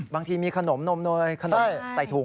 บางทีมีขนมนมเนยขนมใส่ถุง